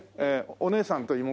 お姉さんと妹？